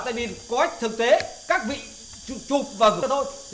tại vì có thực tế các vị chụp và gửi cho tôi